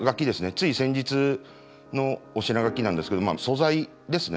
つい先日のおしながきなんですけどまあ素材ですね。